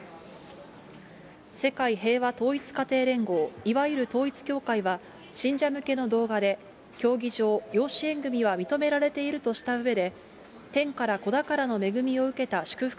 世界平和統一家庭連合、いわゆる統一教会は、信者向けの動画で、教義上、養子縁組は認められているとしたうえで、天から子宝の恵みを受けた祝福